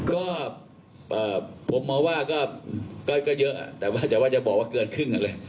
ก็เอ่อผมว่าก็ก็ก็เยอะแต่ว่าจะว่าจะบอกว่าเกินครึ่งนั่นเลย